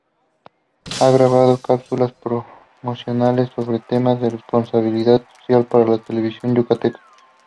Ha grabado cápsulas promocionales sobre temas de responsabilidad social para la televisión yucateca.